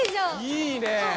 いいね！